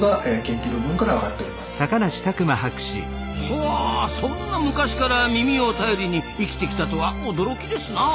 うわそんな昔から耳を頼りに生きてきたとは驚きですなあ。